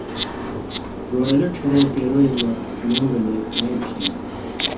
گورېلہ ڇھیرَیں پیروئ مہ لُوں گلے کھائ کھیں